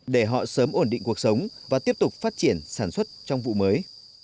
để họ sớm ổn định cuộc sống và tiếp tục phát triển sản xuất trong vụ mới